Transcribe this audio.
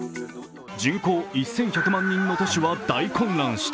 人口２１００万人の年は大混乱した。